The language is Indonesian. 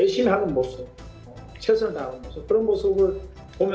dan saya juga bisa memperbaiki kemahiran saya